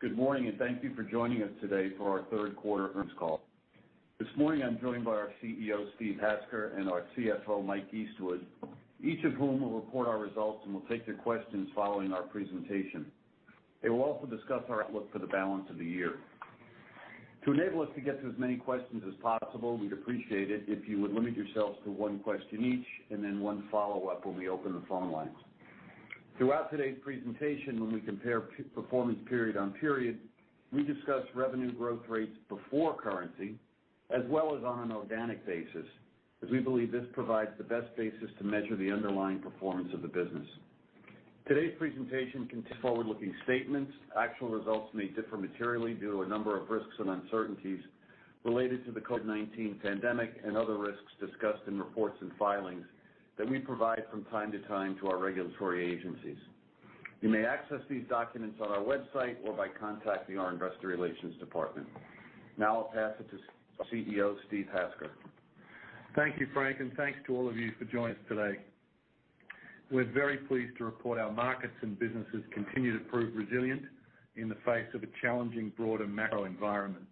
Good morning, and thank you for joining us today for our Third Quarter Earnings Call. This morning, I'm joined by our CEO, Steve Hasker, and our CFO, Mike Eastwood, each of whom will report our results and will take your questions following our presentation. They will also discuss our outlook for the balance of the year. To enable us to get to as many questions as possible, we'd appreciate it if you would limit yourselves to one question each and then one follow-up when we open the phone lines. Throughout today's presentation, when we compare performance period on period, we discuss revenue growth rates before currency as well as on an organic basis, as we believe this provides the best basis to measure the underlying performance of the business. Today's presentation contains forward-looking statements. Actual results may differ materially due to a number of risks and uncertainties related to the COVID-19 pandemic and other risks discussed in reports and filings that we provide from time to time to our regulatory agencies. You may access these documents on our website or by contacting our investor relations department. Now, I'll pass it to CEO Steve Hasker. Thank you, Frank, and thanks to all of you for joining us today. We're very pleased to report our markets and businesses continue to prove resilient in the face of a challenging broader macro environment.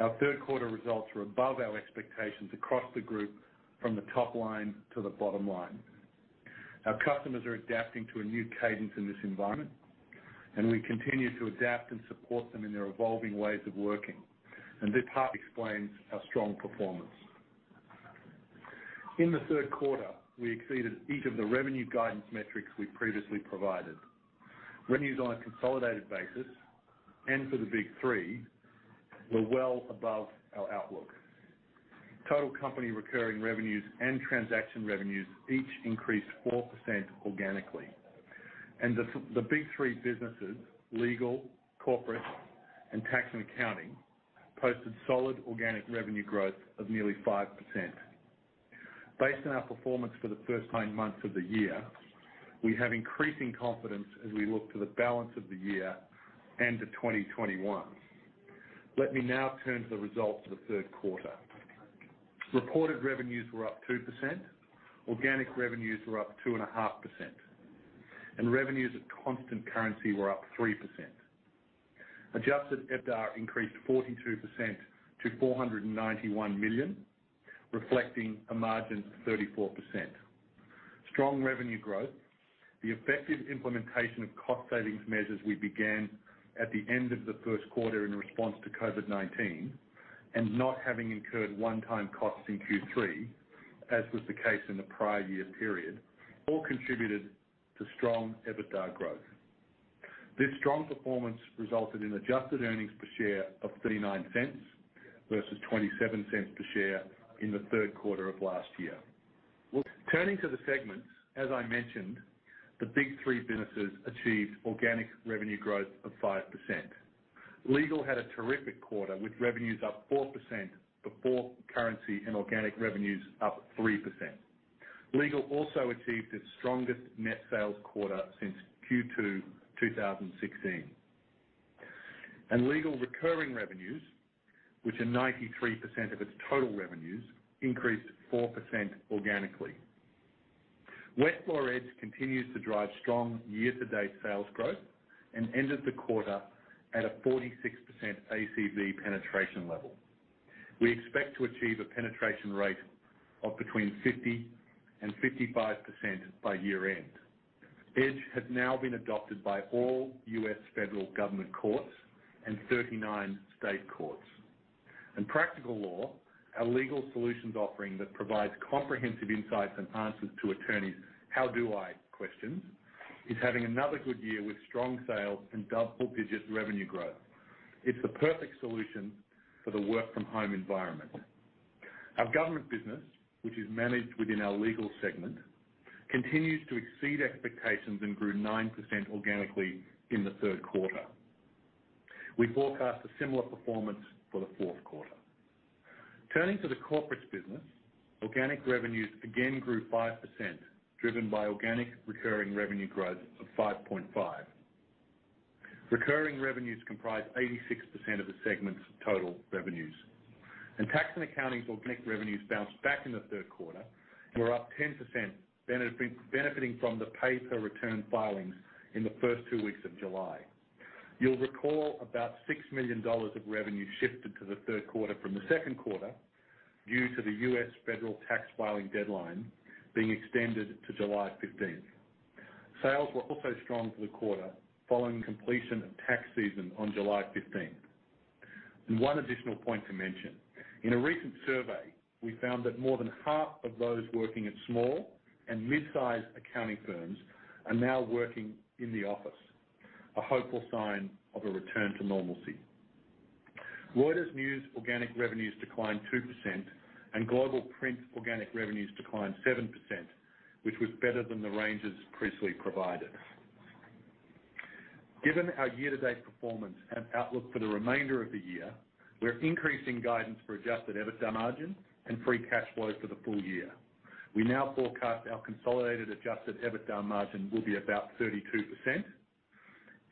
Our third quarter results were above our expectations across the group, from the top line to the bottom line. Our customers are adapting to a new cadence in this environment, and we continue to adapt and support them in their evolving ways of working, and this part explains our strong performance. In the third quarter, we exceeded each of the revenue guidance metrics we previously provided. Revenues on a consolidated basis and for the big three were well above our outlook. Total company recurring revenues and transaction revenues each increased 4% organically, and the big three businesses: Legal, Corporate, and Tax and Accounting, posted solid organic revenue growth of nearly 5%. Based on our performance for the first nine months of the year, we have increasing confidence as we look to the balance of the year and to 2021. Let me now turn to the results of the third quarter. Reported revenues were up 2%, organic revenues were up 2.5%, and revenues at constant currency were up 3%. Adjusted EBITDA increased 42% to $491 million, reflecting a margin of 34%. Strong revenue growth, the effective implementation of cost savings measures we began at the end of the first quarter in response to COVID-19, and not having incurred one-time costs in Q3, as was the case in the prior year period, all contributed to strong EBITDA growth. This strong performance resulted in adjusted earnings per share of $0.39 versus $0.27 per share in the third quarter of last year. Turning to the segments, as I mentioned, the big three businesses achieved organic revenue growth of 5%. Legal had a terrific quarter with revenues up 4% before currency and organic revenues up 3%. Legal also achieved its strongest net sales quarter since Q2 2016. And legal recurring revenues, which are 93% of its total revenues, increased 4% organically. Westlaw Edge continues to drive strong year-to-date sales growth and ended the quarter at a 46% ACV penetration level. We expect to achieve a penetration rate of between 50% and 55% by year-end. Edge has now been adopted by all U.S. federal government courts and 39 state courts. And Practical Law, our legal solutions offering that provides comprehensive insights and answers to attorneys' "How do I?" questions, is having another good year with strong sales and double-digit revenue growth. It's the perfect solution for the work-from-home environment. Our government business, which is managed within our legal segment, continues to exceed expectations and grew 9% organically in the third quarter. We forecast a similar performance for the fourth quarter. Turning to the corporate business, organic revenues again grew 5%, driven by organic recurring revenue growth of 5.5%. Recurring revenues comprise 86% of the segment's total revenues, and Tax and Accounting's organic revenues bounced back in the third quarter and we're up 10%, benefiting from the pay-per-return filings in the first two weeks of July. You'll recall about $6 million of revenue shifted to the third quarter from the second quarter due to the U.S. federal tax filing deadline being extended to July 15th. Sales were also strong for the quarter following completion of tax season on July 15th. One additional point to mention: in a recent survey, we found that more than half of those working at small and mid-size accounting firms are now working in the office, a hopeful sign of a return to normalcy. Reuters News organic revenues declined 2%, and Global Print organic revenues declined 7%, which was better than the ranges previously provided. Given our year-to-date performance and outlook for the remainder of the year, we're increasing guidance for Adjusted EBITDA margin and free cash flow for the full year. We now forecast our consolidated Adjusted EBITDA margin will be about 32%,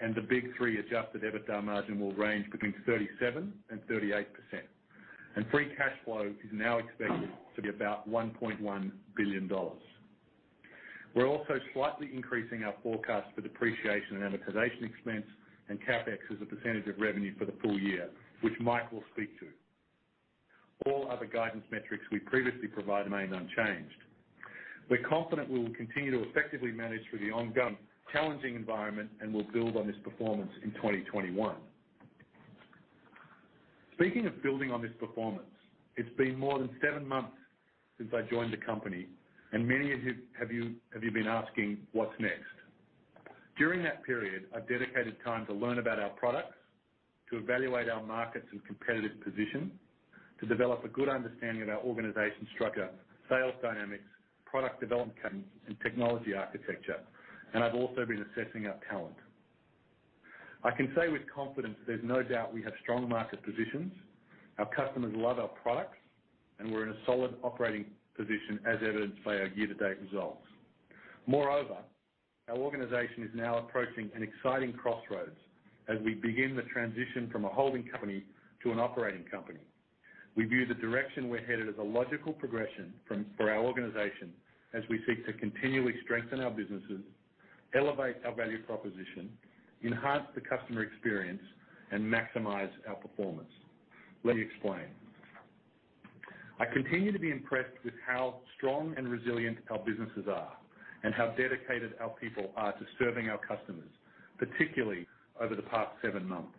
and the Big Three Adjusted EBITDA margin will range between 37% and 38%. Free cash flow is now expected to be about $1.1 billion. We're also slightly increasing our forecast for depreciation and amortization expense and CapEx as a percentage of revenue for the full year, which Mike will speak to. All other guidance metrics we previously provided remain unchanged. We're confident we will continue to effectively manage through the ongoing challenging environment and will build on this performance in 2021. Speaking of building on this performance, it's been more than seven months since I joined the company, and many of you have been asking, "What's next?" During that period, I've dedicated time to learn about our products, to evaluate our markets and competitive position, to develop a good understanding of our organization structure, sales dynamics, product development, and technology architecture, and I've also been assessing our talent. I can say with confidence there's no doubt we have strong market positions, our customers love our products, and we're in a solid operating position, as evidenced by our year-to-date results. Moreover, our organization is now approaching an exciting crossroads as we begin the transition from a holding company to an operating company. We view the direction we're headed as a logical progression for our organization as we seek to continually strengthen our businesses, elevate our value proposition, enhance the customer experience, and maximize our performance. Let me explain. I continue to be impressed with how strong and resilient our businesses are and how dedicated our people are to serving our customers, particularly over the past seven months,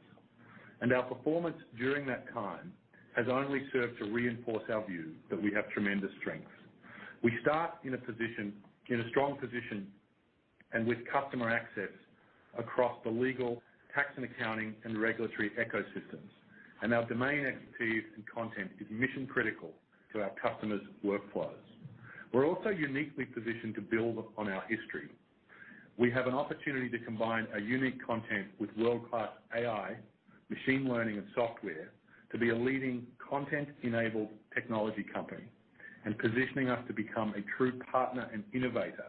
and our performance during that time has only served to reinforce our view that we have tremendous strength. We start in a strong position and with customer access across the Legal, Tax and Accounting, and regulatory ecosystems, and our domain expertise and content is mission-critical to our customers' workflows. We're also uniquely positioned to build on our history. We have an opportunity to combine our unique content with world-class AI, machine learning, and software to be a leading content-enabled technology company and positioning us to become a true partner and innovator,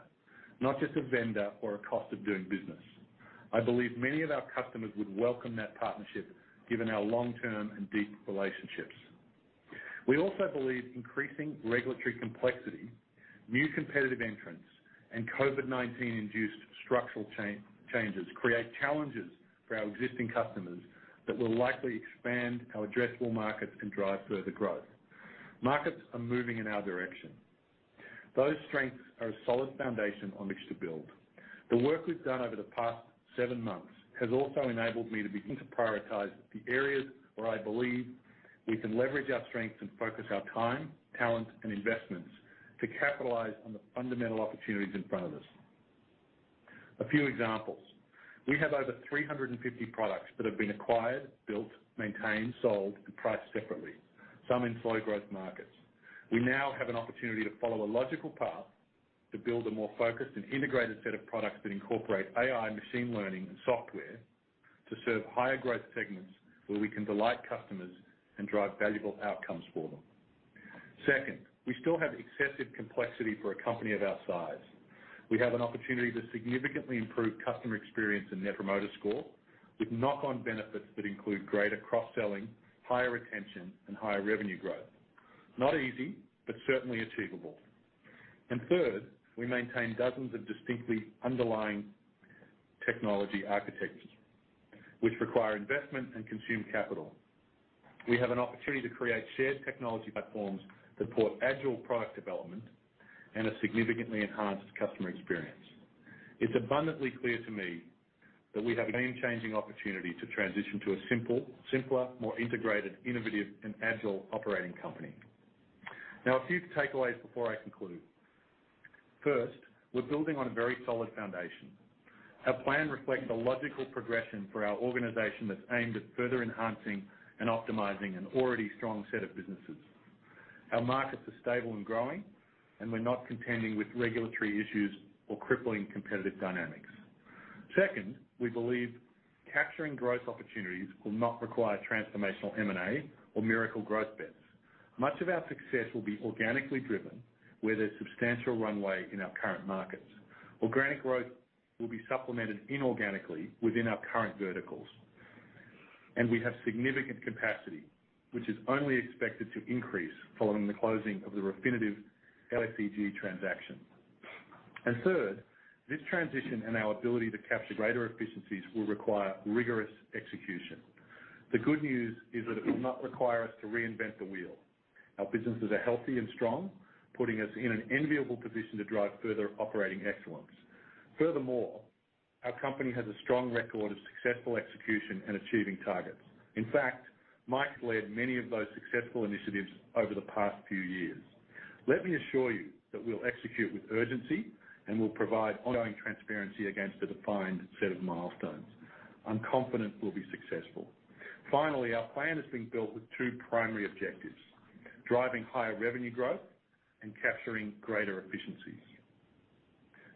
not just a vendor or a cost of doing business. I believe many of our customers would welcome that partnership, given our long-term and deep relationships. We also believe increasing regulatory complexity, new competitive entrants, and COVID-19-induced structural changes create challenges for our existing customers that will likely expand our addressable markets and drive further growth. Markets are moving in our direction. Those strengths are a solid foundation on which to build. The work we've done over the past seven months has also enabled me to begin to prioritize the areas where I believe we can leverage our strengths and focus our time, talent, and investments to capitalize on the fundamental opportunities in front of us. A few examples: we have over 350 products that have been acquired, built, maintained, sold, and priced separately, some in slow-growth markets. We now have an opportunity to follow a logical path to build a more focused and integrated set of products that incorporate AI, machine learning, and software to serve higher-growth segments where we can delight customers and drive valuable outcomes for them. Second, we still have excessive complexity for a company of our size. We have an opportunity to significantly improve customer experience and net promoter score with knock-on benefits that include greater cross-selling, higher retention, and higher revenue growth. Not easy, but certainly achievable, and third, we maintain dozens of distinct underlying technology architectures which require investment and consume capital. We have an opportunity to create shared technology platforms that support agile product development and a significantly enhanced customer experience. It's abundantly clear to me that we have a game-changing opportunity to transition to a simpler, more integrated, innovative, and agile operating company. Now, a few takeaways before I conclude. First, we're building on a very solid foundation. Our plan reflects a logical progression for our organization that's aimed at further enhancing and optimizing an already strong set of businesses. Our markets are stable and growing, and we're not contending with regulatory issues or crippling competitive dynamics. Second, we believe capturing growth opportunities will not require transformational M&A or miracle growth bets. Much of our success will be organically driven, where there's substantial runway in our current markets. Organic growth will be supplemented inorganically within our current verticals, and we have significant capacity, which is only expected to increase following the closing of the Refinitiv LSEG transaction, and third, this transition and our ability to capture greater efficiencies will require rigorous execution. The good news is that it will not require us to reinvent the wheel. Our businesses are healthy and strong, putting us in an enviable position to drive further operating excellence. Furthermore, our company has a strong record of successful execution and achieving targets. In fact, Mike has led many of those successful initiatives over the past few years. Let me assure you that we'll execute with urgency and will provide ongoing transparency against a defined set of milestones. I'm confident we'll be successful. Finally, our plan has been built with two primary objectives: driving higher revenue growth and capturing greater efficiencies.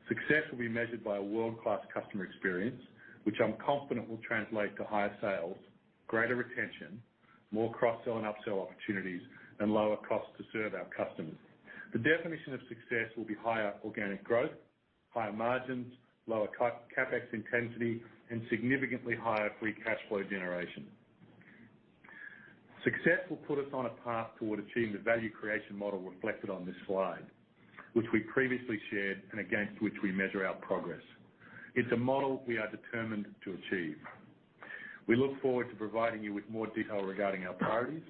Success will be measured by a world-class customer experience, which I'm confident will translate to higher sales, greater retention, more cross-sell and upsell opportunities, and lower costs to serve our customers. The definition of success will be higher organic growth, higher margins, lower CapEx intensity, and significantly higher free cash flow generation. Success will put us on a path toward achieving the value creation model reflected on this slide, which we previously shared and against which we measure our progress. It's a model we are determined to achieve. We look forward to providing you with more detail regarding our priorities,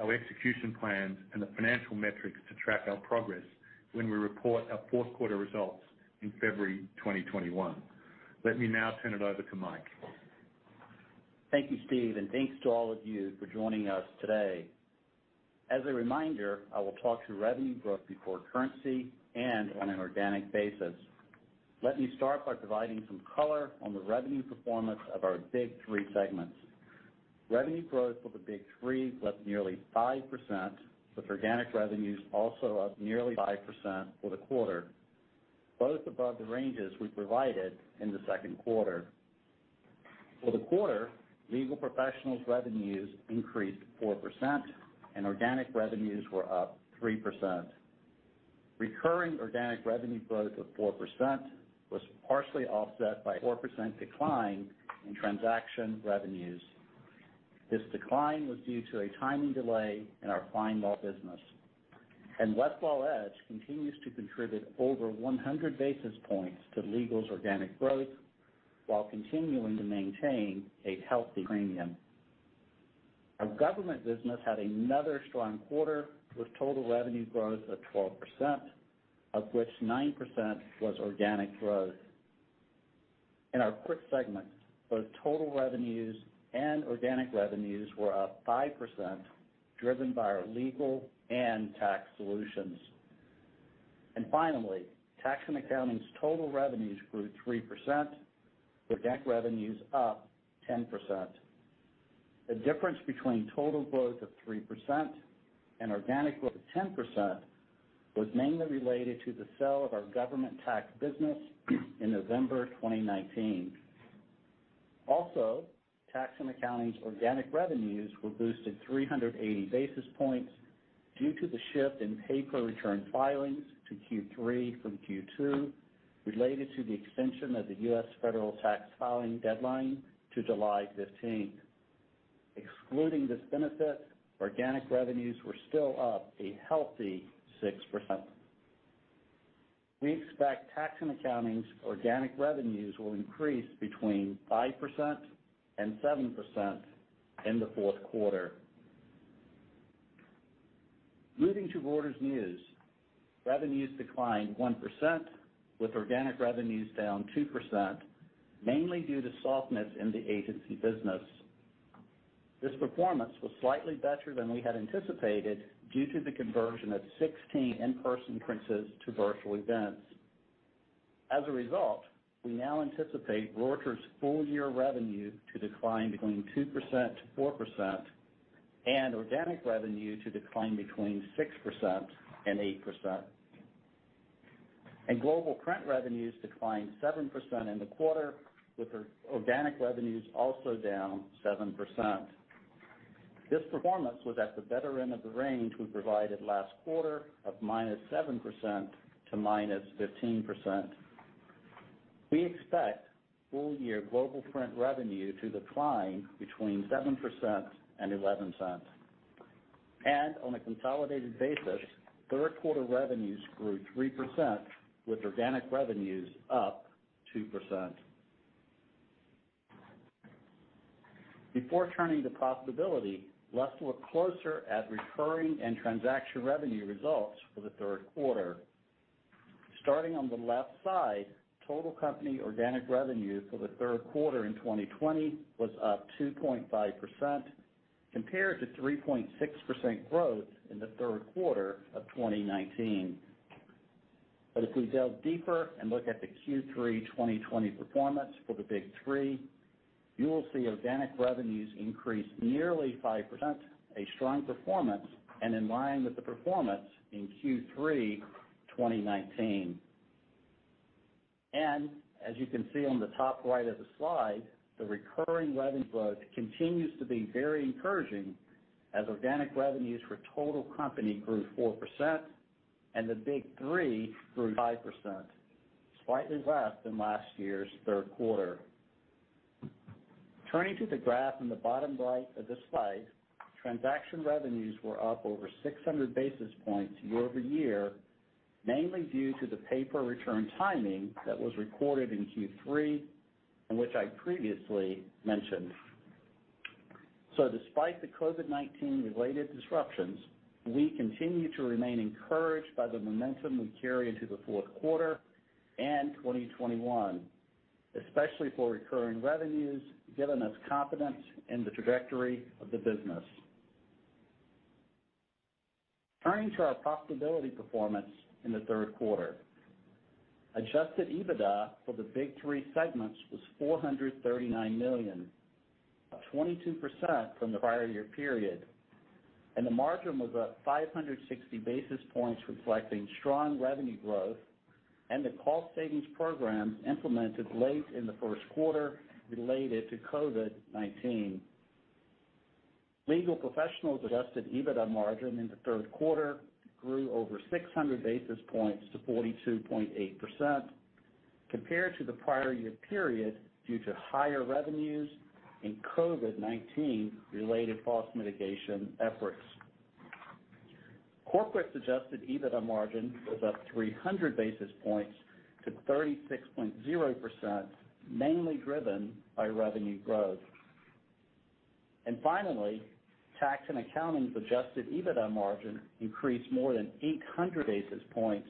our execution plans, and the financial metrics to track our progress when we report our fourth-quarter results in February 2021. Let me now turn it over to Mike. Thank you, Steve, and thanks to all of you for joining us today. As a reminder, I will talk through revenue growth before currency and on an organic basis. Let me start by providing some color on the revenue performance of our big three segments. Revenue growth for the big three was up nearly 5%, with organic revenues also up nearly 5% for the quarter, both above the ranges we provided in the second quarter. For the quarter, Legal Professionals' revenues increased 4%, and organic revenues were up 3%. Recurring organic revenue growth of 4% was partially offset by a 4% decline in transaction revenues. This decline was due to a timing delay in our FindLaw business. And Westlaw Edge continues to contribute over 100 basis points to legal's organic growth while continuing to maintain a healthy premium. Our government business had another strong quarter with total revenue growth of 12%, of which 9% was organic growth. In our corporate segment, both total revenues and organic revenues were up 5%, driven by our legal and tax solutions, and finally, Tax and Accounting's total revenues grew 3%, with organic revenues up 10%. The difference between total growth of 3% and organic growth of 10% was mainly related to the sale of our government tax business in November 2019. Also, TAx and accounting's organic revenues were boosted 380 basis points due to the shift in pay-per-return filings to Q3 from Q2 related to the extension of the U.S. federal tax filing deadline to July 15th. Excluding this benefit, organic revenues were still up a healthy 6%. We expect Tax and Accounting's organic revenues will increase between 5% and 7% in the fourth quarter. Moving to Reuters News, revenues declined 1%, with organic revenues down 2%, mainly due to softness in the agency business. This performance was slightly better than we had anticipated due to the conversion of 16 in-person events to virtual events. As a result, we now anticipate Reuters' full-year revenue to decline between 2%-4%, and organic revenue to decline between 6% and 8%, and Global Print revenues declined 7% in the quarter, with organic revenues also down 7%. This performance was at the better end of the range we provided last quarter of -7% to -15%. We expect full-year Global Print revenue to decline between 7% and 11%, and on a consolidated basis, third-quarter revenues grew 3%, with organic revenues up 2%. Before turning to profitability, let's look closer at recurring and transaction revenue results for the third quarter. Starting on the left side, total company organic revenue for the third quarter in 2020 was up 2.5%, compared to 3.6% growth in the third quarter of 2019. But if we delve deeper and look at the Q3 2020 performance for the big three, you will see organic revenues increase nearly 5%, a strong performance and in line with the performance in Q3 2019. And as you can see on the top right of the slide, the recurring revenue growth continues to be very encouraging as organic revenues for total company grew 4% and the big three grew 5%, slightly less than last year's third quarter. Turning to the graph on the bottom right of the slide, transaction revenues were up over 600 basis points year-over-year, mainly due to the pay-per-return timing that was recorded in Q3, which I previously mentioned. Despite the COVID-19-related disruptions, we continue to remain encouraged by the momentum we carry into the fourth quarter and 2021, especially for recurring revenues, giving us confidence in the trajectory of the business. Turning to our profitability performance in the third quarter, Adjusted EBITDA for the big three segments was $439 million, up 22% from the prior year period. The margin was up 560 basis points, reflecting strong revenue growth and the cost savings programs implemented late in the first quarter related to COVID-19. Legal Professionals' Adjusted EBITDA margin in the third quarter grew over 600 basis points to 42.8%, compared to the prior year period due to higher revenues and COVID-19-related cost mitigation efforts. Corporate Adjusted EBITDA margin was up 300 basis points to 36.0%, mainly driven by revenue growth. Finally, Tax and Accounting's adjusted EBITDA margin increased more than 800 basis points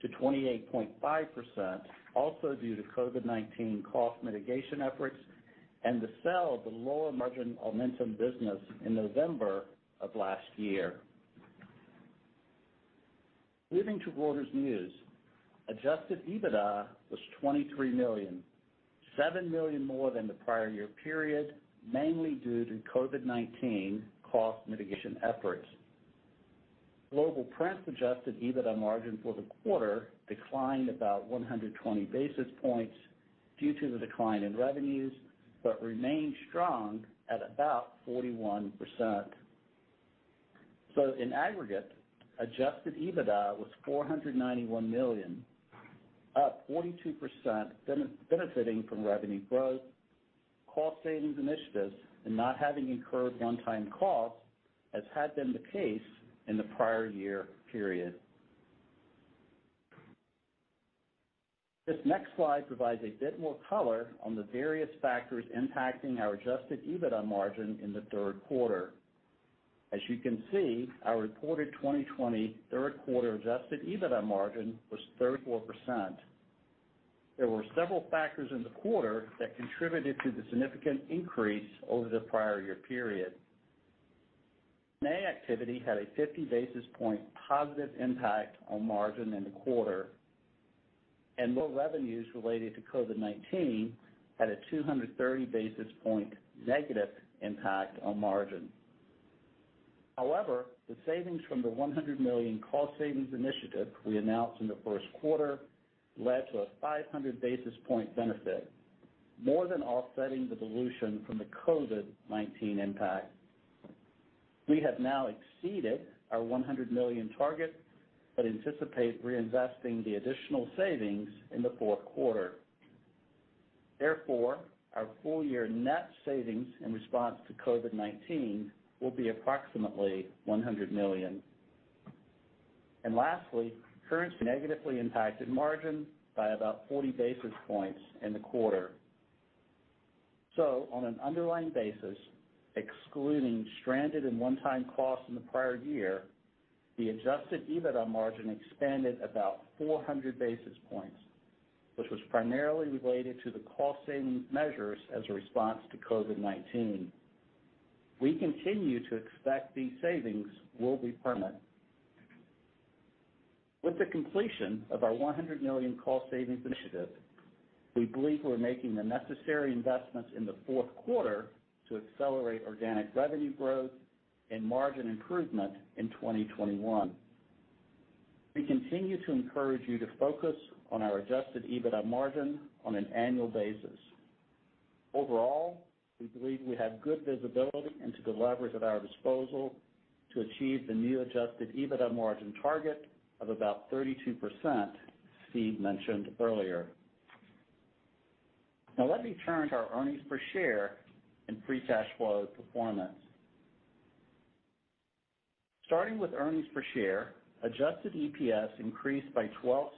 to 28.5%, also due to COVID-19 cost mitigation efforts and the sale of the lower-margin Aumentum business in November of last year. Moving to Reuters News, adjusted EBITDA was $23 million, $7 million more than the prior year period, mainly due to COVID-19 cost mitigation efforts. Global Print's adjusted EBITDA margin for the quarter declined about 120 basis points due to the decline in revenues, but remained strong at about 41%. In aggregate, adjusted EBITDA was $491 million, up 42%, benefiting from revenue growth, cost savings initiatives, and not having incurred one-time costs, as had been the case in the prior year period. This next slide provides a bit more color on the various factors impacting our adjusted EBITDA margin in the third quarter. As you can see, our reported 2020 third-quarter Adjusted EBITDA margin was 34%. There were several factors in the quarter that contributed to the significant increase over the prior year period. M&A activity had a 50 basis point positive impact on margin in the quarter, and low revenues related to COVID-19 had a 230 basis point negative impact on margin. However, the savings from the $100 million cost savings initiative we announced in the first quarter led to a 500 basis point benefit, more than offsetting the dilution from the COVID-19 impact. We have now exceeded our $100 million target, but anticipate reinvesting the additional savings in the fourth quarter. Therefore, our full-year net savings in response to COVID-19 will be approximately $100 million. And lastly, currency negatively impacted margin by about 40 basis points in the quarter. So on an underlying basis, excluding stranded and one-time costs in the prior year, the adjusted EBITDA margin expanded about 400 basis points, which was primarily related to the cost savings measures as a response to COVID-19. We continue to expect these savings will be permanent. With the completion of our $100 million cost savings initiative, we believe we're making the necessary investments in the fourth quarter to accelerate organic revenue growth and margin improvement in 2021. We continue to encourage you to focus on our adjusted EBITDA margin on an annual basis. Overall, we believe we have good visibility into the leverage at our disposal to achieve the new adjusted EBITDA margin target of about 32%, Steve mentioned earlier. Now let me turn to our earnings per share and free cash flow performance. Starting with earnings per share, adjusted EPS increased by $0.12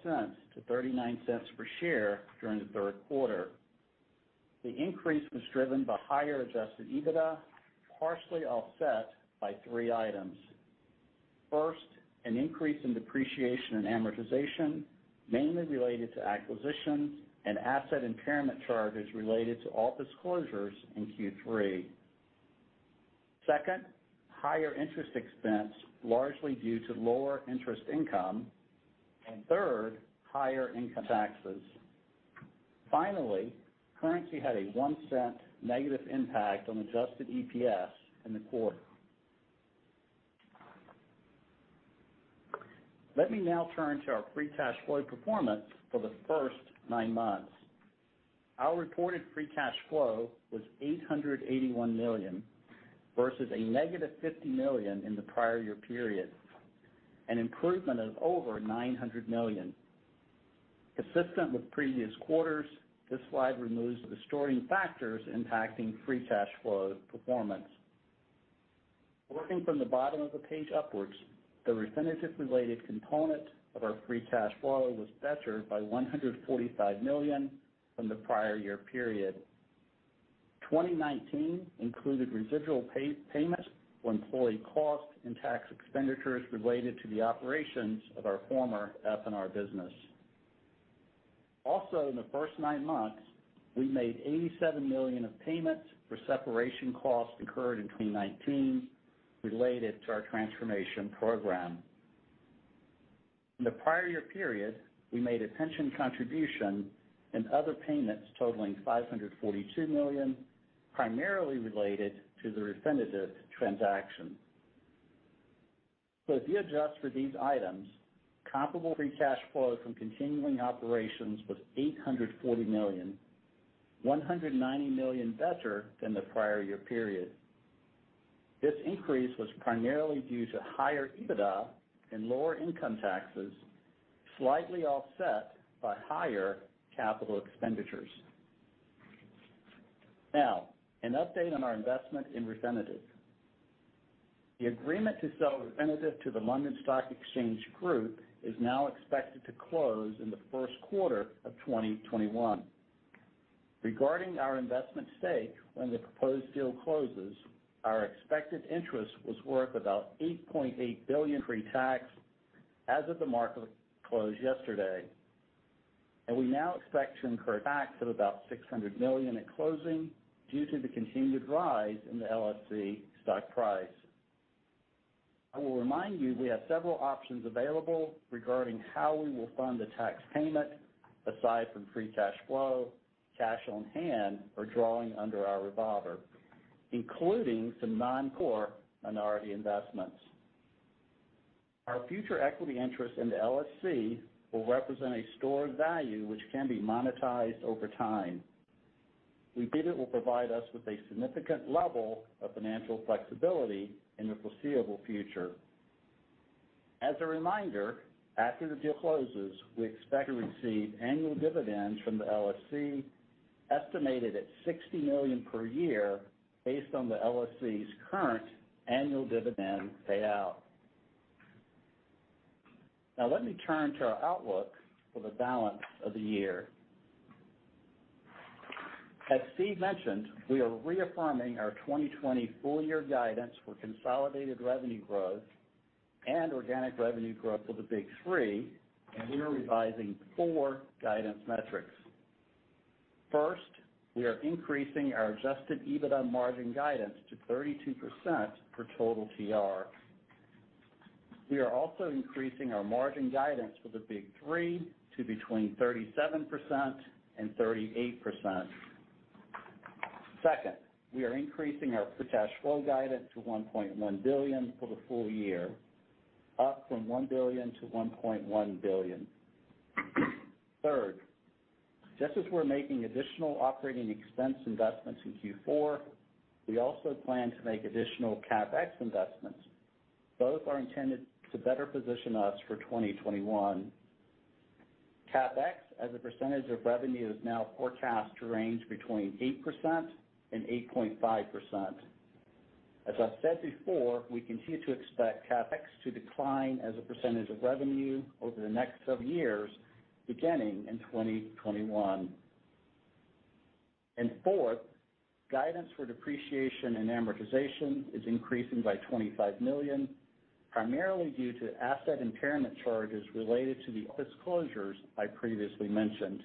to $0.39 per share during the third quarter. The increase was driven by higher adjusted EBITDA, partially offset by three items. First, an increase in depreciation and amortization, mainly related to acquisitions and asset impairment charges related to Onvio in Q3. Second, higher interest expense, largely due to lower interest income. And third, higher income taxes. Finally, currency had a $0.01 negative impact on adjusted EPS in the quarter. Let me now turn to our free cash flow performance for the first nine months. Our reported free cash flow was $881 million versus -$50 million in the prior year period, an improvement of over $900 million. Consistent with previous quarters, this slide removes the distorting factors impacting free cash flow performance. Working from the bottom of the page upwards, the Refinitiv-related component of our free cash flow was better by $145 million from the prior year period. 2019 included residual payments for employee costs and tax expenditures related to the operations of our former F&R business. Also, in the first nine months, we made $87 million of payments for separation costs incurred in 2019 related to our transformation program. In the prior year period, we made a pension contribution and other payments totaling $542 million, primarily related to the Refinitiv transaction. So if you adjust for these items, comparable free cash flow from continuing operations was $840 million, $190 million better than the prior year period. This increase was primarily due to higher EBITDA and lower income taxes, slightly offset by higher capital expenditures. Now, an update on our investment in Refinitiv. The agreement to sell Refinitiv to the London Stock Exchange Group is now expected to close in the first quarter of 2021. Regarding our investment stake when the proposed deal closes, our expected interest was worth about $8.8 billion pre-tax as of the market close yesterday, and we now expect to incur tax of about $600 million at closing due to the continued rise in the LSC stock price. I will remind you we have several options available regarding how we will fund the tax payment aside from free cash flow, cash on hand, or drawing under our revolver, including some non-core minority investments. Our future equity interest in the LSC will represent a stored value which can be monetized over time. We believe it will provide us with a significant level of financial flexibility in the foreseeable future. As a reminder, after the deal closes, we expect to receive annual dividends from the LSC estimated at $60 million per year based on the LSC's current annual dividend payout. Now let me turn to our outlook for the balance of the year. As Steve mentioned, we are reaffirming our 2020 full-year guidance for consolidated revenue growth and organic revenue growth for the big three, and we are revising four guidance metrics. First, we are increasing our Adjusted EBITDA margin guidance to 32% for total TR. We are also increasing our margin guidance for the big three to between 37% and 38%. Second, we are increasing our free cash flow guidance to $1.1 billion for the full year, up from $1 billion-$1.1 billion. Third, just as we're making additional operating expense investments in Q4, we also plan to make additional CapEx investments. Both are intended to better position us for 2021. CapEx, as a percentage of revenue, is now forecast to range between 8% and 8.5%. As I said before, we continue to expect CapEx to decline as a percentage of revenue over the next several years, beginning in 2021. And fourth, guidance for depreciation and amortization is increasing by $25 million, primarily due to asset impairment charges related to the Onvio I previously mentioned.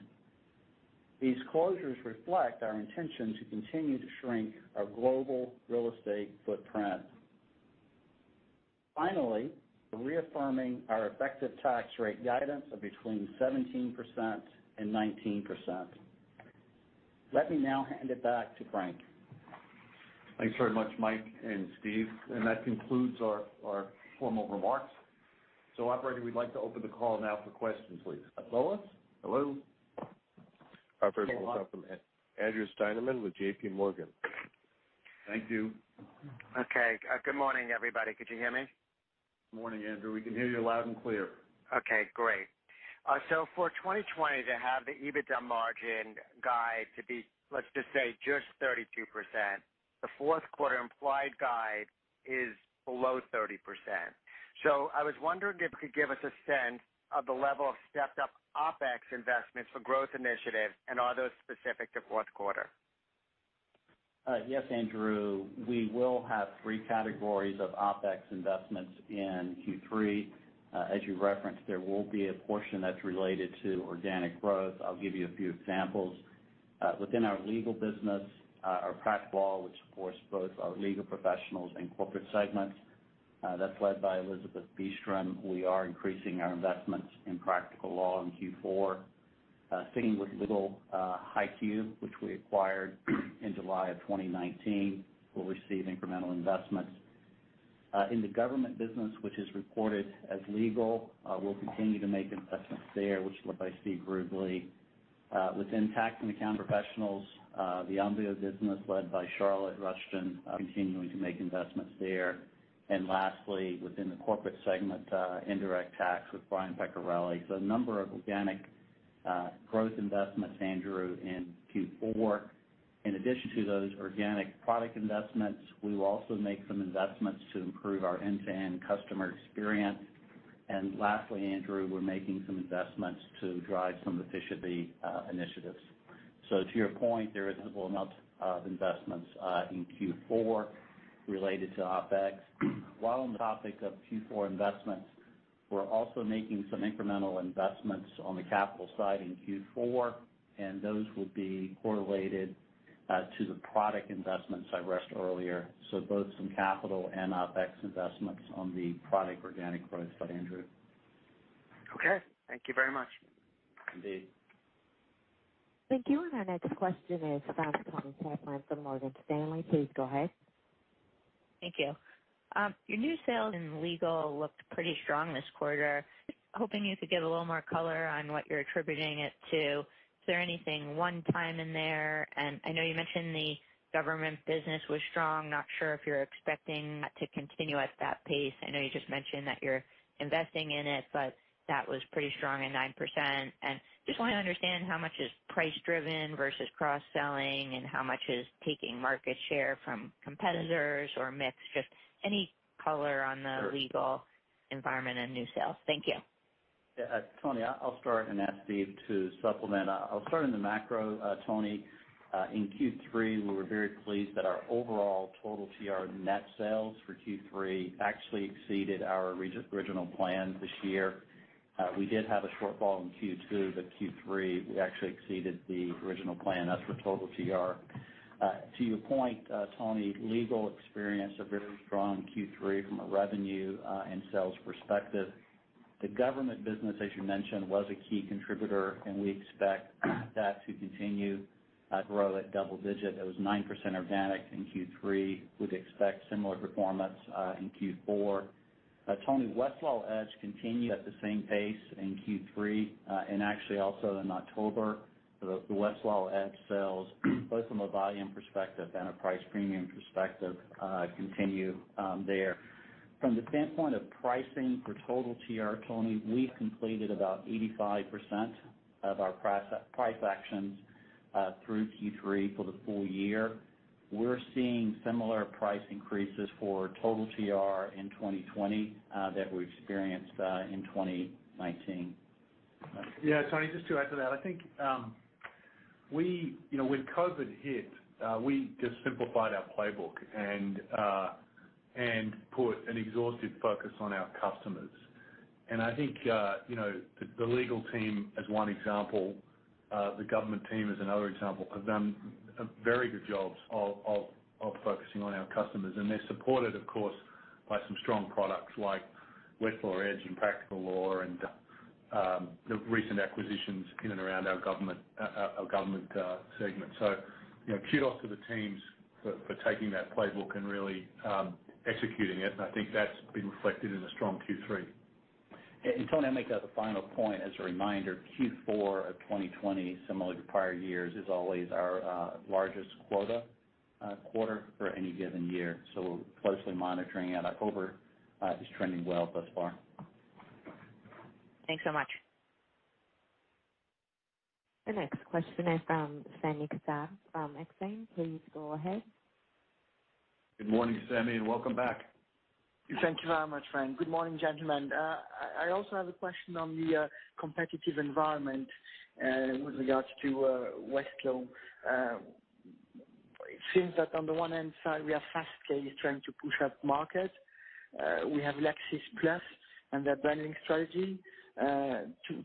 These closures reflect our intention to continue to shrink our global real estate footprint. Finally, we're reaffirming our effective tax rate guidance of between 17% and 19%. Let me now hand it back to Frank. Thanks very much, Mike and Steve. And that concludes our formal remarks. So operator, we'd like to open the call now for questions, please. Hello. Hello. Our first one's up from Andrew Steinerman with J.P. Morgan. Thank you. Okay. Good morning, everybody. Could you hear me? Morning, Andrew. We can hear you loud and clear. Okay. Great. So for 2020, to have the EBITDA margin guide to be, let's just say, just 32%, the fourth quarter implied guide is below 30%. So I was wondering if you could give us a sense of the level of stepped-up OpEx investments for growth initiatives, and are those specific to fourth quarter? Yes, Andrew. We will have three categories of OpEx investments in Q3. As you referenced, there will be a portion that's related to organic growth. I'll give you a few examples. Within our legal business, our Practical Law, which supports both our legal professionals and corporate segments, that's led by Elizabeth Beastrom. We are increasing our investments in Practical Law in Q4. Same with legal HighQ, which we acquired in July of 2019. We'll receive incremental investments. In the government business, which is reported as legal, we'll continue to make investments there, which led by Steve Rubley. Within Tax and Accounting professionals, the Onvio business led by Charlotte Rushton, continuing to make investments there. And lastly, within the corporate segment, Indirect Tax with Brian Peccarelli. So a number of organic growth investments, Andrew, in Q4. In addition to those organic product investments, we will also make some investments to improve our end-to-end customer experience. And lastly, Andrew, we're making some investments to drive some efficiency initiatives. So to your point, there is a whole lot of investments in Q4 related to OpEx. While on the topic of Q4 investments, we're also making some incremental investments on the capital side in Q4, and those will be related to the product investments I mentioned earlier. So both some capital and OpEx investments on the product organic growth side, Andrew. Okay. Thank you very much. Indeed. Thank you. And our next question is from the analyst from Morgan Stanley. Please go ahead. Thank you. Your new sales in legal looked pretty strong this quarter. Hoping you could get a little more color on what you're attributing it to. Is there anything one-time in there? And I know you mentioned the government business was strong. Not sure if you're expecting that to continue at that pace. I know you just mentioned that you're investing in it, but that was pretty strong at 9%. And just want to understand how much is price-driven versus cross-selling and how much is taking market share from competitors or mix? Just any color on the legal environment and new sales. Thank you. Toni, I'll start and ask Steve to supplement. I'll start in the macro, Toni. In Q3, we were very pleased that our overall total TR net sales for Q3 actually exceeded our original plan this year. We did have a shortfall in Q2, but Q3, we actually exceeded the original plan. That's for total TR. To your point, Tony, Legal segment was very strong in Q3 from a revenue and sales perspective. The government business, as you mentioned, was a key contributor, and we expect that to continue to grow at double digit. It was 9% organic in Q3. We'd expect similar performance in Q4. Tony, Westlaw Edge continued at the same pace in Q3 and actually also in October. The Westlaw Edge sales, both from a volume perspective and a price premium perspective, continue there. From the standpoint of pricing for total TR, Tony, we completed about 85% of our price actions through Q3 for the full year. We're seeing similar price increases for total TR in 2020 that we experienced in 2019. Yeah. Tony, just to add to that, I think when COVID hit, we just simplified our playbook and put an exhaustive focus on our customers. And I think the legal team, as one example, the government team is another example, have done a very good job of focusing on our customers. And they're supported, of course, by some strong products like Westlaw Edge and Practical Law and the recent acquisitions in and around our government segment. So kudos to the teams for taking that playbook and really executing it. And I think that's been reflected in a strong Q3. And Tony, I'll make that the final point. As a reminder, Q4 of 2020, similar to prior years, is always our largest quarter for any given year. So we're closely monitoring it. October is trending well thus far. Thanks so much. The next question is from Sami Kassab from Exane BNP Paribas. Please go ahead. Good morning, Sami, and welcome back. Thank you very much, Frank. Good morning, gentlemen. I also have a question on the competitive environment with regards to Westlaw. It seems that on the one hand side, we have Fastcase trying to push up market. We have Lexis+ and their branding strategy. To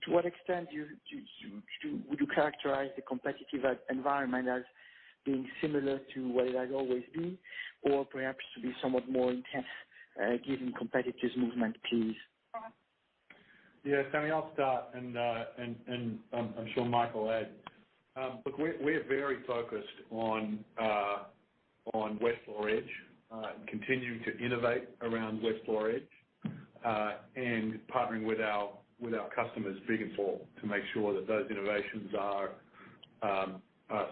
what extent would you characterize the competitive environment as being similar to what it has always been or perhaps to be somewhat more intense given competitive movement, please? Yeah. Sami, I'll start, and I'm sure Mike adds. Look, we're very focused on Westlaw Edge, continuing to innovate around Westlaw Edge, and partnering with our customers, big and small, to make sure that those innovations are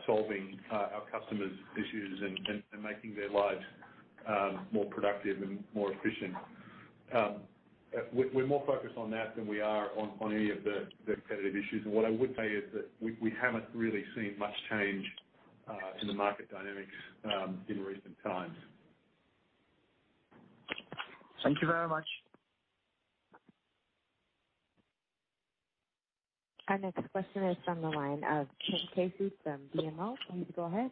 solving our customers' issues and making their lives more productive and more efficient. We're more focused on that than we are on any of the competitive issues, and what I would say is that we haven't really seen much change in the market dynamics in recent times. Thank you very much. Our next question is from the line of Tim Casey from BMO. Please go ahead.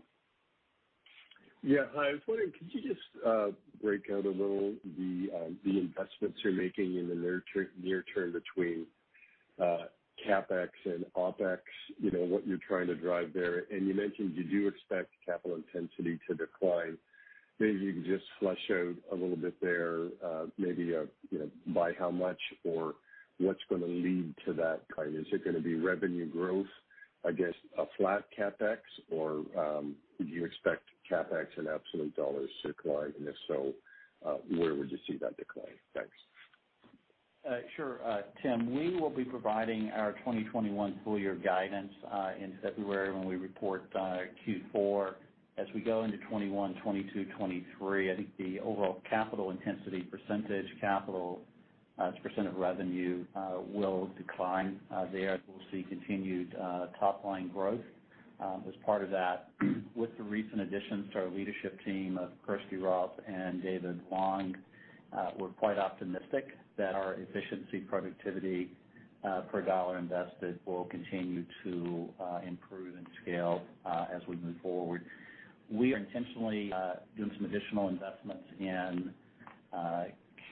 Yeah. Hi. I was wondering, could you just break out a little the investments you're making in the near term between CapEx and OpEx, what you're trying to drive there? And you mentioned you do expect capital intensity to decline. Maybe you can just flesh out a little bit there, maybe by how much or what's going to lead to that kind? Is it going to be revenue growth, I guess, a flat CapEx, or would you expect CapEx and absolute dollars to decline, and if so, where would you see that decline? Thanks. Sure. Tim, we will be providing our 2021 full-year guidance in February when we report Q4. As we go into 2021, 2022, 2023, I think the overall capital intensity percentage, capital's percent of revenue will decline there. We'll see continued top-line growth. As part of that, with the recent additions to our leadership team of Kirsty Roth and David Wong, we're quite optimistic that our efficiency, productivity per dollar invested will continue to improve and scale as we move forward. We are intentionally doing some additional investments in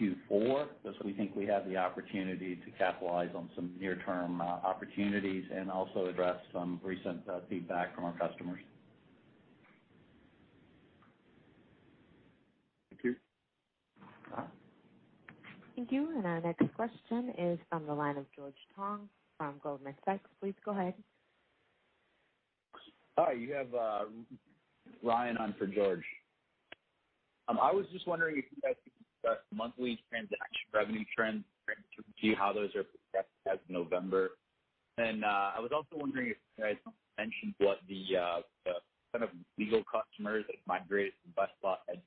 Q4 because we think we have the opportunity to capitalize on some near-term opportunities and also address some recent feedback from our customers. Thank you. Thank you. Our next question is from the line of George Tong from Goldman Sachs. Please go ahead. Hi. You have Ryan on for George. I was just wondering if you guys could discuss monthly transaction revenue trends to see how those are progressing as of November, and I was also wondering if you guys mentioned what the kind of legal customers have migrated to Westlaw Edge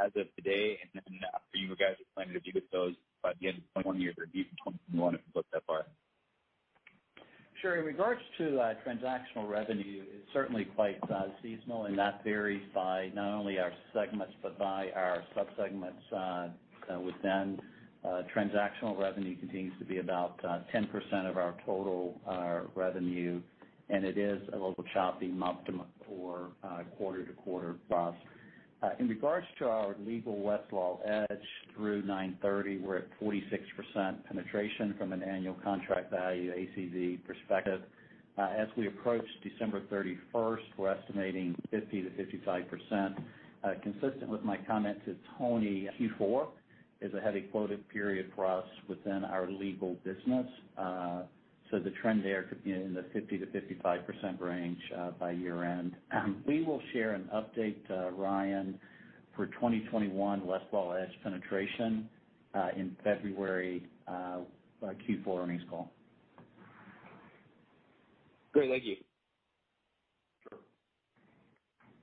as of today, and then after you guys are planning to deal with those by the end of 2021, your review for 2021, if we go that far. Sure. In regards to transactional revenue, it's certainly quite seasonal, and that varies by not only our segments but by our subsegments with them. Transactional revenue continues to be about 10% of our total revenue, and it is a little choppy, month-to-month or quarter-to-quarter plus. In regards to our legal Westlaw Edge through 9/30, we're at 46% penetration from an Annual Contract Value, ACV perspective. As we approach December 31st, we're estimating 50%-55%. Consistent with my comment to Tony, Q4 is a heavy quota period for us within our legal business. So the trend there could be in the 50%-55% range by year-end. We will share an update, Ryan, for 2021 Westlaw Edge penetration in February by Q4 Earnings Call. Great. Thank you. Sure.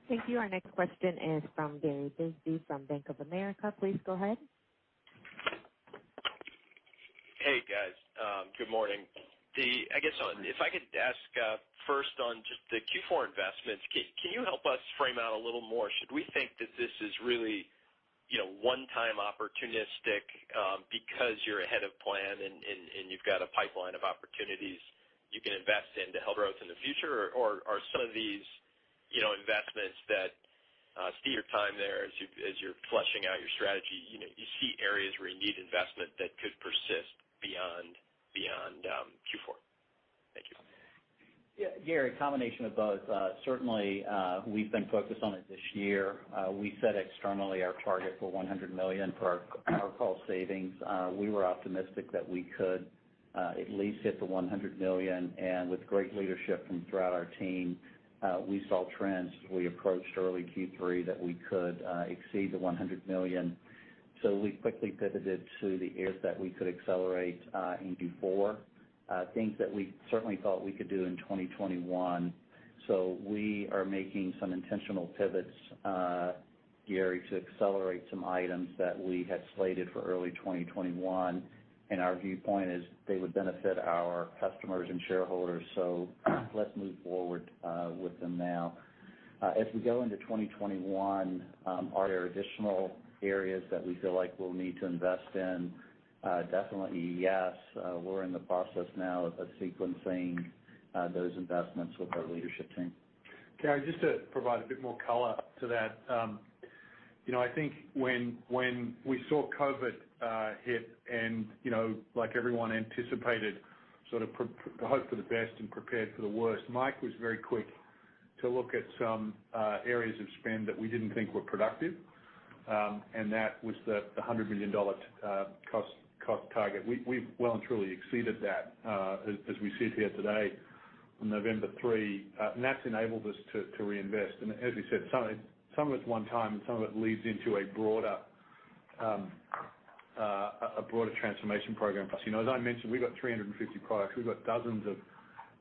Thank you. Our next question is from Gary Bisbee from Bank of America. Please go ahead. Hey, guys. Good morning. I guess if I could ask first on just the Q4 investments, can you help us frame out a little more? Should we think that this is really one-time opportunistic because you're ahead of plan and you've got a pipeline of opportunities you can invest into healthy growth in the future, or are some of these investments that steer time there as you're fleshing out your strategy? You see areas where you need investment that could persist beyond Q4? Thank you. Gary, a combination of both. Certainly, we've been focused on it this year. We set externally our target for $100 million for our cost savings. We were optimistic that we could at least hit the $100 million. With great leadership from throughout our team, we saw trends as we approached early Q3 that we could exceed the $100 million. We quickly pivoted to the areas that we could accelerate in Q4, things that we certainly thought we could do in 2021. We are making some intentional pivots, Gary, to accelerate some items that we had slated for early 2021. Our viewpoint is they would benefit our customers and shareholders. Let's move forward with them now. As we go into 2021, are there additional areas that we feel like we'll need to invest in? Definitely, yes. We're in the process now of sequencing those investments with our leadership team. Gary, just to provide a bit more color to that, I think when we saw COVID hit and, like everyone anticipated, sort of hoped for the best and prepared for the worst, Mike was very quick to look at some areas of spend that we didn't think were productive. And that was the $100 million cost target. We've well and truly exceeded that as we sit here today on November 3. And that's enabled us to reinvest. And as we said, some of it's one-time, and some of it leads into a broader transformation program. As I mentioned, we've got 350 products. We've got dozens of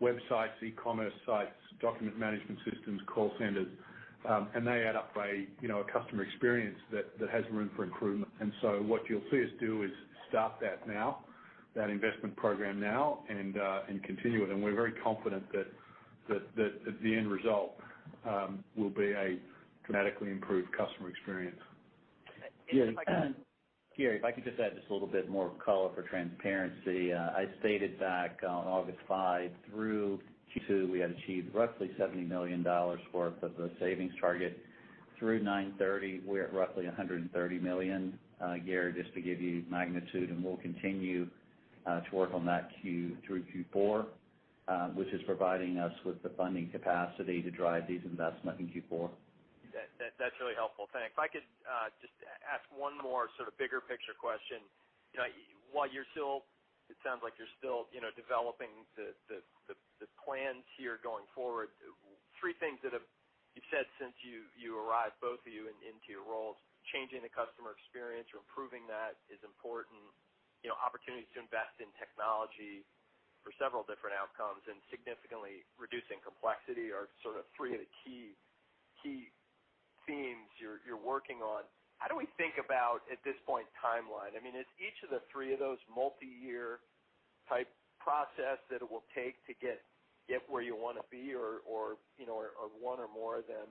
websites, e-commerce sites, document management systems, call centers. And they add up to a customer experience that has room for improvement. And so what you'll see us do is start that now, that investment program now, and continue it. And we're very confident that the end result will be a dramatically improved customer experience. Gary, if I could just add just a little bit more color for transparency. I stated back on August 5, through Q2, we had achieved roughly $70 million worth of the savings target. Through 9/30, we're at roughly $130 million, Gary, just to give you magnitude. And we'll continue to work on that through Q4, which is providing us with the funding capacity to drive these investments in Q4. That's really helpful. Thanks. If I could just ask one more sort of bigger picture question. While you're still, it sounds like you're still developing the plans here going forward. Three things that you've said since you arrived, both of you, into your roles: changing the customer experience or improving that is important, opportunities to invest in technology for several different outcomes, and significantly reducing complexity are sort of three of the key themes you're working on. How do we think about, at this point, timeline? I mean, is each of the three of those multi-year type process that it will take to get where you want to be or one or more of them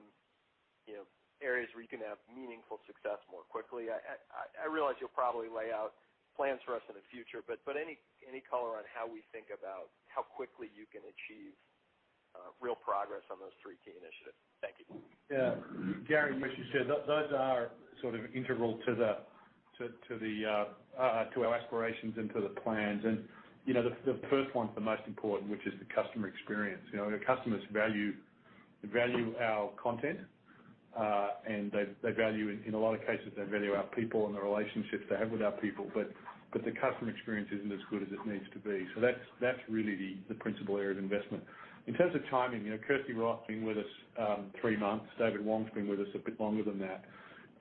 areas where you can have meaningful success more quickly? I realize you'll probably lay out plans for us in the future, but any color on how we think about how quickly you can achieve real progress on those three key initiatives? Thank you. Yeah. Gary, as you said, those are sort of integral to our aspirations and to the plans. And the first one's the most important, which is the customer experience. Our customers value our content, and in a lot of cases, they value our people and the relationships they have with our people. But the customer experience isn't as good as it needs to be. So that's really the principal area of investment. In terms of timing, Kirsty Roth's been with us three months. David Wong's been with us a bit longer than that.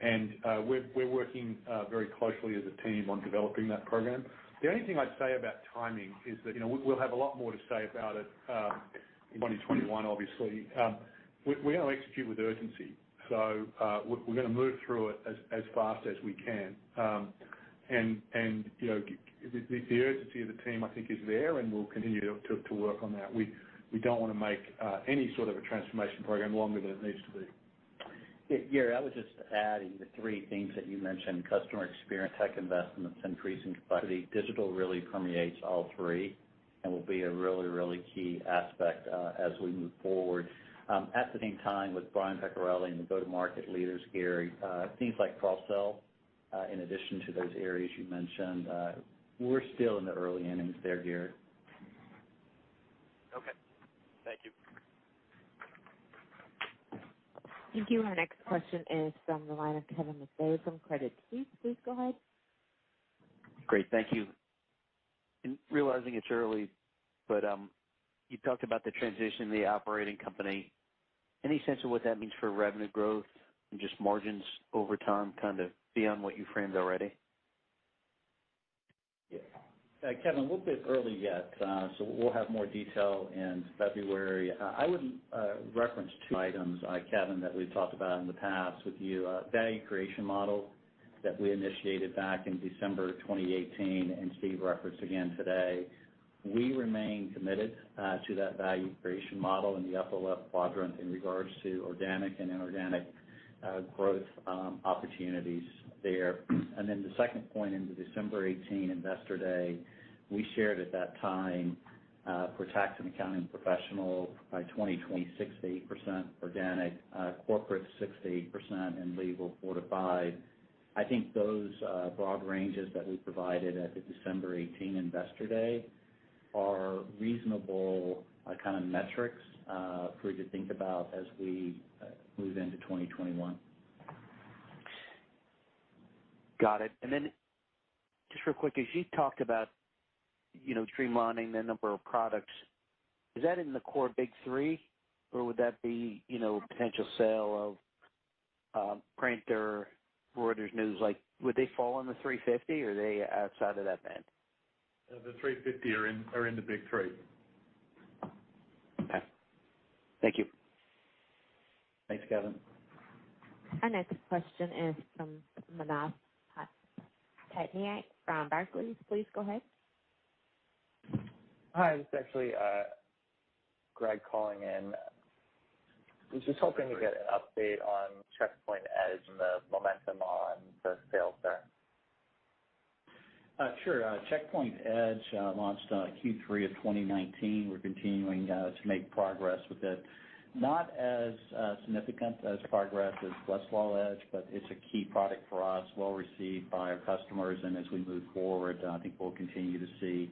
And we're working very closely as a team on developing that program. The only thing I'd say about timing is that we'll have a lot more to say about it in 2021, obviously. We're going to execute with urgency. So we're going to move through it as fast as we can. And the urgency of the team, I think, is there, and we'll continue to work on that. We don't want to make any sort of a transformation program longer than it needs to be. Gary, I would just add in the three things that you mentioned: customer experience, tech investments, increasing capacity. Digital really permeates all three and will be a really, really key aspect as we move forward. At the same time with Brian Peccarelli and the go-to-market leaders, Gary, things like cross-sell, in addition to those areas you mentioned, we're still in the early innings there, Gary. Okay. Thank you. Thank you. Our next question is from the line of Kevin McVey from Credit Suisse. Please go ahead. Great. Thank you. And realizing it's early, but you talked about the transition of the operating company. Any sense of what that means for revenue growth and just margins over time kind of beyond what you framed already? Yeah. Kevin, a little bit early yet. So we'll have more detail in February. I would reference two items, Kevin, that we've talked about in the past with you: value creation model that we initiated back in December 2018, and Steve referenced again today. We remain committed to that value creation model in the upper-left quadrant in regards to organic and inorganic growth opportunities there. And then the second point, in the December 2018 investor day, we shared at that time for Tax and Accounting professionals by 2026 8% organic, corporates 6%-8%, and legal 4%-5%. I think those broad ranges that we provided at the December 2018 investor day are reasonable kind of metrics for you to think about as we move into 2021. Got it. And then just real quick, as you talked about streamlining the number of products, is that in the core big three, or would that be potential sale of print, Reuters News? Would they fall in the 350, or are they outside of that band? The 350 are in the big three. Okay. Thank you. Thanks, Kevin. Our next question is from Manav Patnaik from Barclays. Please go ahead. Hi. This is actually Greg calling in. He's just hoping to get an update on Checkpoint Edge and the momentum on the sales there. Sure. Checkpoint Edge launched Q3 of 2019. We're continuing to make progress with it. Not as significant as progress as Westlaw Edge, but it's a key product for us, well received by our customers. And as we move forward, I think we'll continue to see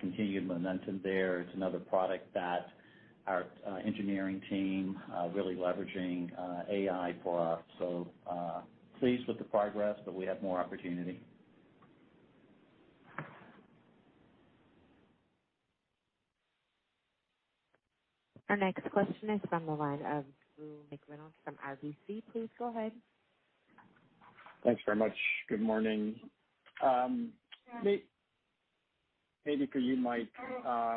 continued momentum there. It's another product that our engineering team is really leveraging AI for us. So pleased with the progress, but we have more opportunity. Our next question is from the line of Drew McReynolds from RBC. Please go ahead. Thanks very much. Good morning. Maybe for you, Mike,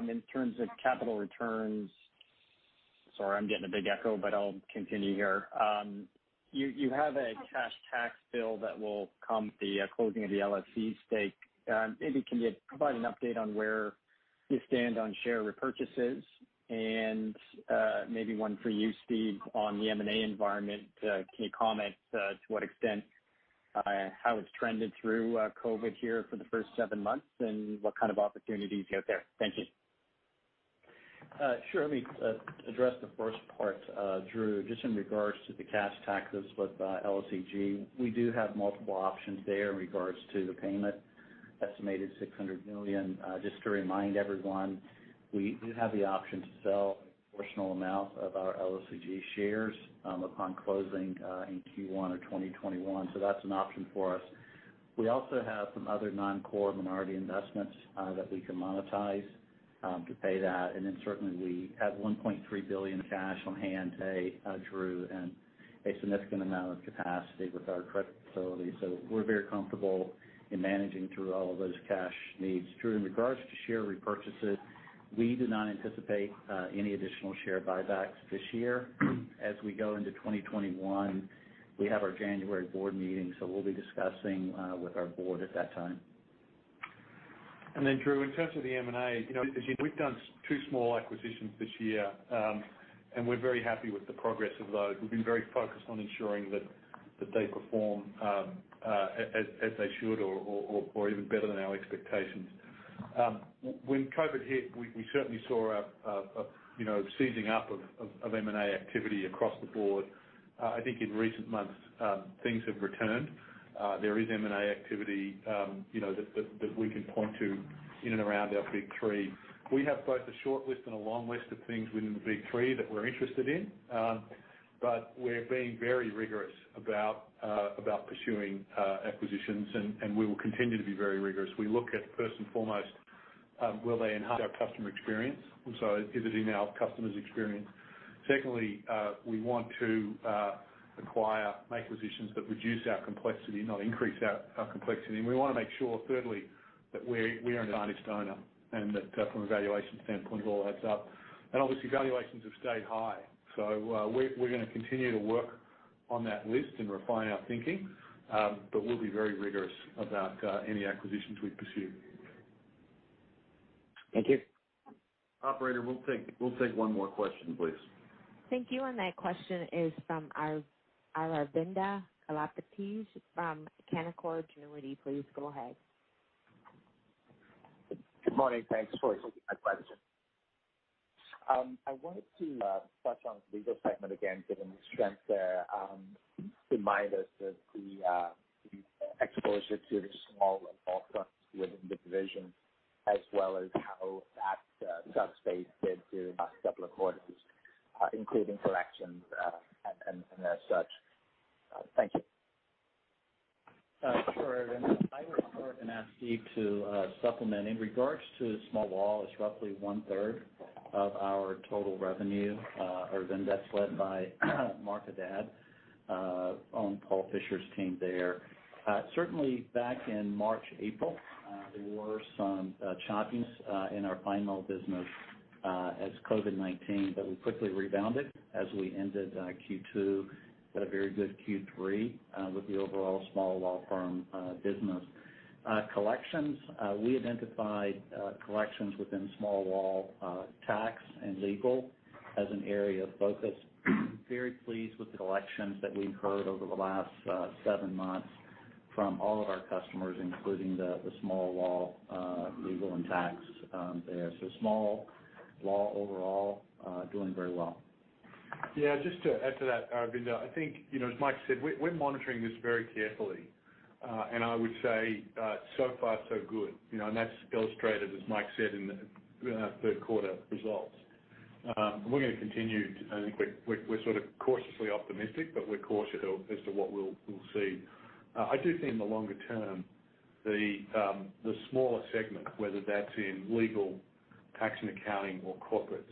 in terms of capital returns - sorry, I'm getting a big echo, but I'll continue here. You have a cash tax bill that will come with the closing of the LSEG stake. Maybe can you provide an update on where you stand on share repurchases? And maybe one for you, Steve, on the M&A environment. Can you comment to what extent, how it's trended through COVID here for the first seven months, and what kind of opportunities out there? Thank you. Sure. Let me address the first part, Drew, just in regards to the cash taxes with LSEG. We do have multiple options there in regards to the payment, estimated $600 million. Just to remind everyone, we do have the option to sell a proportional amount of our LSEG shares upon closing in Q1 of 2021. So that's an option for us. We also have some other non-core minority investments that we can monetize to pay that. And then certainly, we have $1.3 billion cash on hand today, Drew, and a significant amount of capacity with our credit facility. So we're very comfortable in managing through all of those cash needs. Drew, in regards to share repurchases, we do not anticipate any additional share buybacks this year. As we go into 2021, we have our January board meeting, so we'll be discussing with our board at that time. And then, Drew, in terms of the M&A, as you know, we've done two small acquisitions this year, and we're very happy with the progress of those. We've been very focused on ensuring that they perform as they should or even better than our expectations. When COVID hit, we certainly saw a seizing up of M&A activity across the board. I think in recent months, things have returned. There is M&A activity that we can point to in and around our big three. We have both a short list and a long list of things within the big three that we're interested in, but we're being very rigorous about pursuing acquisitions, and we will continue to be very rigorous. We look at, first and foremost, will they enhance our customer experience? And so is it in our customer's experience? Secondly, we want to acquire acquisitions that reduce our complexity, not increase our complexity. And we want to make sure, thirdly, that we are an honest owner and that, from a valuation standpoint, all adds up. And obviously, valuations have stayed high. So we're going to continue to work on that list and refine our thinking, but we'll be very rigorous about any acquisitions we pursue. Thank you. Operator, we'll take one more question, please. Thank you. And that question is from Aravinda Galappatthige from Canaccord Genuity. Please go ahead. Good morning. Thanks for taking my question. I wanted to touch on the legal segment again, given the strength there. Remind us of the exposure to the Small Law firms within the division, as well as how that sub-segment did through the last couple of quarters, including collections and as such. Thank you. Sure. I would ask Steve to supplement. In regards to the Small Law, it's roughly one-third of our total revenue, Aravinda. It's led by Mark Haddad, on Paul Fischer's team there. Certainly, back in March/April, there were some choppiness in our Small Law business as COVID-19, but we quickly rebounded as we ended Q2, got a very good Q3 with the overall Small Law firm business. Collections, we identified collections within Small Law tax and legal as an area of focus. Very pleased with the collections that we've had over the last seven months from all of our customers, including the Small Law legal and tax there. So Small Law overall, doing very well. Yeah. Just to add to that, Aravinda, I think, as Mike said, we're monitoring this very carefully. I would say, so far, so good. That's illustrated, as Mike said, in the third quarter results. We're going to continue. I think we're sort of cautiously optimistic, but we're cautious as to what we'll see. I do think, in the longer term, the smaller segment, whether that's in Legal, Tax and Accounting or corporates,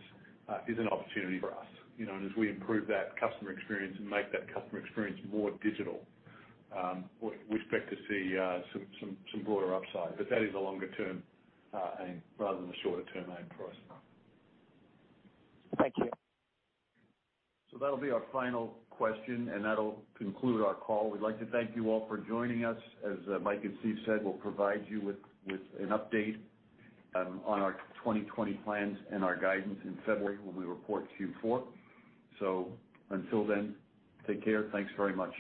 is an opportunity for us. And as we improve that customer experience and make that customer experience more digital, we expect to see some broader upside. But that is a longer-term aim rather than a shorter-term aim for us. Thank you. So that'll be our final question, and that'll conclude our call. We'd like to thank you all for joining us. As Mike and Steve said, we'll provide you with an update on our 2020 plans and our guidance in February when we report Q4. So until then, take care. Thanks very much.